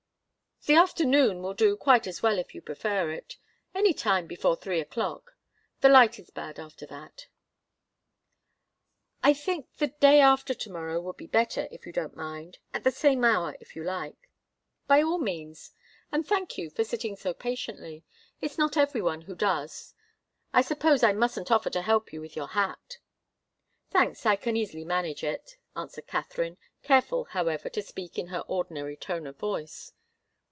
"The afternoon will do quite as well, if you prefer it. Any time before three o'clock. The light is bad after that." "I think the day after to morrow would be better, if you don't mind. At the same hour, if you like." "By all means. And thank you, for sitting so patiently. It's not every one who does. I suppose I mustn't offer to help you with your hat." "Thanks, I can easily manage it," answered Katharine, careful, however, to speak in her ordinary tone of voice.